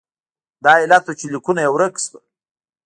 دا علت و چې لیکونه یې ورک شول.